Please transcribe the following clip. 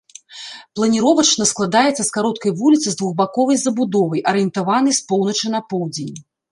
Планіровачна складаецца з кароткай вуліцы з двухбаковай забудовай, арыентаванай з поўначы на поўдзень.